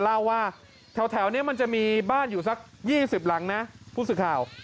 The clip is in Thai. เล่าว่าแถวนี้มันจะมีบ้านอยู่สัก๒๐หลังนะผู้สื่อข่าว